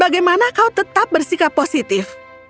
bagaimana kau tetap bersikap positif